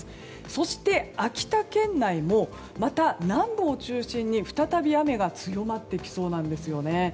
そして、秋田県内もまた南部を中心に再び雨が強まってきそうなんですよね。